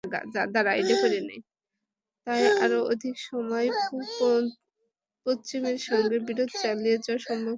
তাই আরও অধিক সময় পশ্চিমের সঙ্গে বিরোধ চালিয়ে যাওয়া সম্ভব নয়।